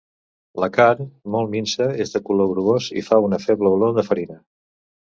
La carn, molt minsa, és de color grogós i fa una feble olor de farina.